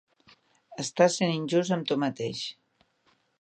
Estàs sent injust amb tu mateix.